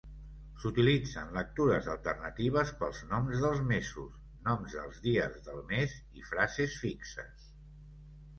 S'utilitzen lectures alternatives pels noms dels mesos, noms dels dies del mes, i frases fixes.